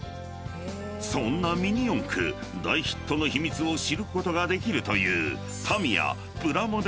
［そんなミニ四駆大ヒットの秘密を知ることができるという］